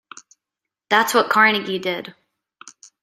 That's what Carnegie did.